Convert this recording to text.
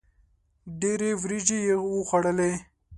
ډېري وریجي یې وخوړلې.